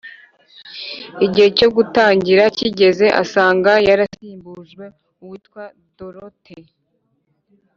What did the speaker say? Igihe cyo gutangira kigeze asanga yarasimbujwe uwitwa Dorothe